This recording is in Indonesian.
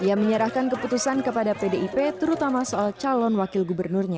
ia menyerahkan keputusan kepada pdip terutama soal calon wakil gubernurnya